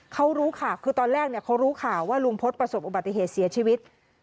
เขารู้ค่ะคือตอนแรกเขารู้ข่าวว่าลุงพฤษประสบอุบัติเหตุเสียชีวิต